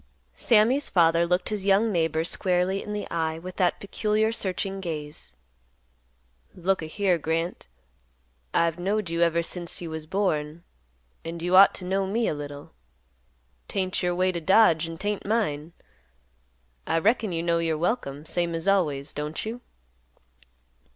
Sammy's father looked his young neighbor squarely in the eye with that peculiar searching gaze; "Look a here, Grant. I've knowed you ever since you was born, and you ought to know me a little. 'Tain't your way to dodge, and 'tain't mine. I reckon you know you're welcome, same as always, don't you?"